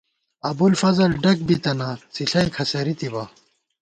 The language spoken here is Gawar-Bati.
ابُوافضل ڈگ بِتَنہ ، څِݪَئ کھسَرِی تِبہ